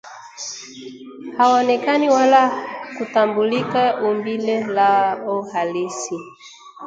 hawaonekani wala kutambulika umbile lao halisi